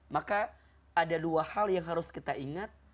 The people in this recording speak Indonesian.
maka ada dua hal yang harus kita ingat